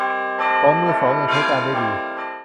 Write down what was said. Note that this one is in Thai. ของมือสองยังใช้การได้ดี